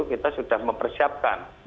kita sudah mempersiapkan